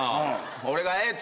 俺が「えっ」